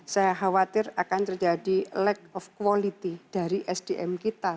saya khawatir akan terjadi lack of quality dari sdm kita